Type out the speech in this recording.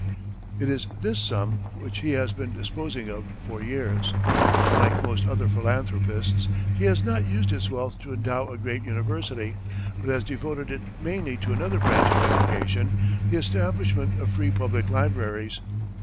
It is this sum which he has been disposing of for years. Unlike most other philanthropists, he has not used his wealth to endow a great university, but has devoted it mainly to another branch of education, the establishment of free public libraries.